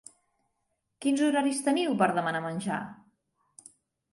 Quins horaris teniu per demanar menjar?